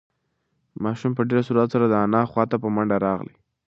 ماشوم په ډېر سرعت سره د انا خواته په منډه راغی.